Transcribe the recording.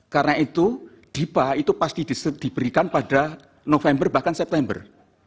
karena itu dipa itu pasti diberikan pada november bahkan september